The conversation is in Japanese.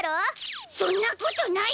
そんなことない！